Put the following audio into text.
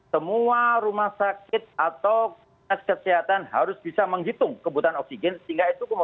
semua rumah sakit atau kesehatan harus bisa menghitung kebutuhan oksigen sehingga itu kemudian pasokan dari vendor